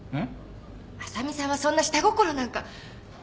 浅見さんはそんな下心なんか。